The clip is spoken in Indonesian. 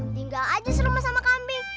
tinggal aja serumah sama kambing